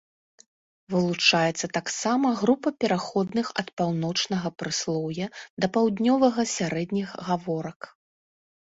Вылучаецца таксама група пераходных ад паўночнага прыслоўя да паўднёвага сярэдніх гаворак.